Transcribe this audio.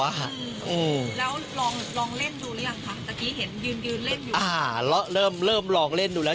แล้วลองลองเล่นดูหรือยังคะเมื่อกี้เห็นยืนยืนเล่นอยู่อ่าแล้วเริ่มเริ่มลองเล่นดูแล้ว